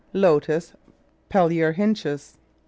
Lotus Peliorhynchus.